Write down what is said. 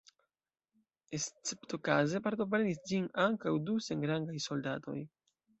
Esceptokaze partoprenis ĝin ankaǔ du senrangaj soldatoj.